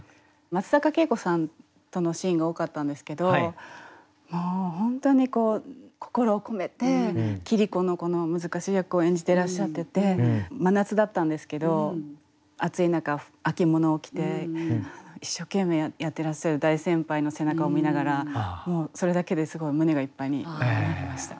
松坂慶子さんとのシーンが多かったんですけどもう本当にこう心を込めて桐子のこの難しい役を演じてらっしゃってて真夏だったんですけど暑い中秋物を着て一生懸命やってらっしゃる大先輩の背中を見ながらもうそれだけですごい胸がいっぱいになりました。